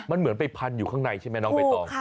มันเหมือนไปพันอยู่ข้างในใช่ไหมน้องใบตอง